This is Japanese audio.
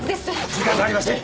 時間がありません。